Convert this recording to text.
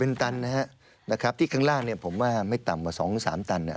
เป็นตันนะครับที่ข้างล่างผมว่าไม่ต่ำกว่า๒๓ตัน